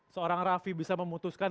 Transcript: seorang rafi bisa memutuskan